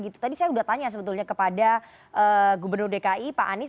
tadi saya sudah tanya sebetulnya kepada gubernur dki pak anies